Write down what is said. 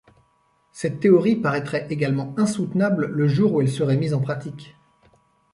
Cette théorie paraîtrait également insoutenable le jour où elle serait mise en pratique.